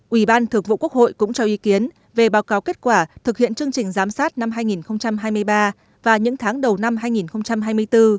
ủy ban thượng vụ quốc hội cũng cho ý kiến về báo cáo kết quả thực hiện chương trình giám sát năm hai nghìn hai mươi ba và những tháng đầu năm hai nghìn hai mươi bốn